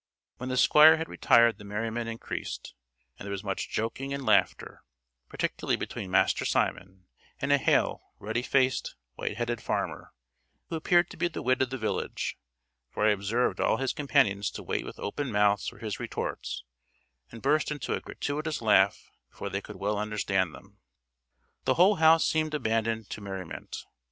When the Squire had retired the merriment increased, and there was much joking and laughter, particularly between Master Simon and a hale, ruddy faced, white headed farmer, who appeared to be the wit of the village; for I observed all his companions to wait with open mouths for his retorts, and burst into a gratuitous laugh before they could well understand them. The whole house indeed seemed abandoned to merriment.